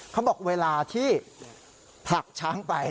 เขาบอกเวลาที่ผลักช้างไป